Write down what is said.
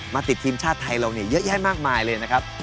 ติดทีมชาติไทยเราเนี่ยเยอะแยะมากมายเลยนะครับ